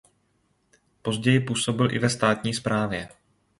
Později působil i ve státní správě.